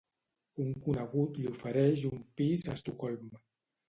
Un conegut li ofereix un pis a Estocolm.